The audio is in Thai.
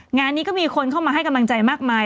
งานนี้ก็มีคนเข้ามาให้กำลังใจมากมาย